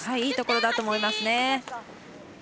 いいところだと思います。